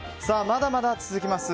まだまだ続きます。